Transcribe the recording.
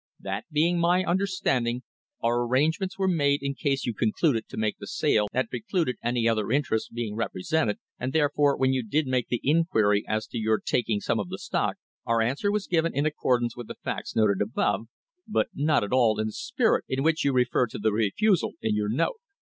That being my understanding, our arrangements were made in case you concluded to make the sale that precluded any other interests being represented, and therefore, when you did make the inquiry as to your taking some of the stock, our answer was given in accordance with the facts noted above, but not at all in the spirit in which you refer to the refusal in your note.